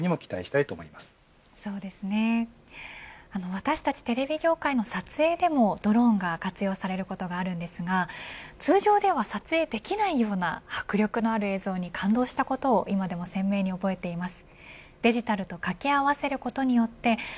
私たち、テレビ業界の撮影でもドローンが活用されることがあるんですが通常では撮影できないような迫力のある映像に感動したことを今でも鮮明に覚えています。